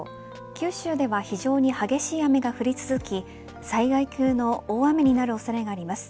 九州では非常に激しい雨が降り続き災害級の大雨になる恐れがあります。